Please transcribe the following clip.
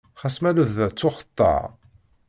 Xas ma lebda ttuxeṭṭaɣ.